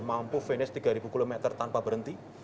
mampu finish tiga ribu kilometer tanpa berhenti